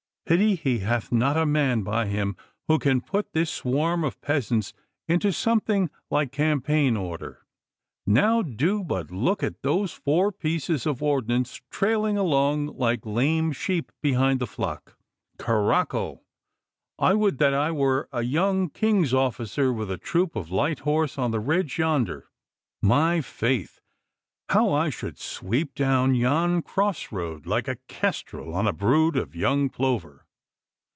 Pity he hath not a man by him who can put this swarm of peasants into something like campaign order. Now do but look at those four pieces of ordnance trailing along like lame sheep behind the flock. Caracco, I would that I were a young King's officer with a troop of light horse on the ridge yonder! My faith, how I should sweep down yon cross road like a kestrel on a brood of young plover!